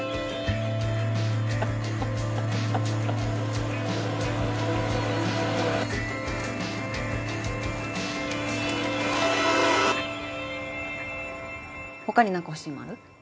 ハッハッハッ他に何か欲しいもんある？